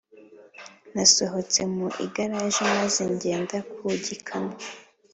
nasohotse mu igaraje maze ngenda ku gikamyo